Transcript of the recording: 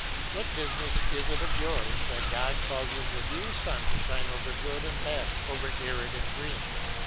What business is it of yours that God causes the dear sun to shine over good and bad, over arid and green